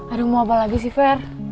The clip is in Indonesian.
aduh mau apa lagi sih fair